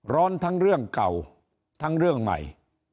ทั้งเรื่องเก่าทั้งเรื่องใหม่